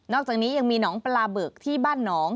อกจากนี้ยังมีหนองปลาบึกที่บ้านหนอง